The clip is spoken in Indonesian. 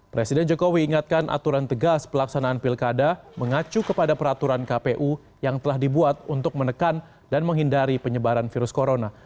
presiden jokowi ingatkan aturan tegas pelaksanaan pilkada mengacu kepada peraturan kpu yang telah dibuat untuk menekan dan menghindari penyebaran virus corona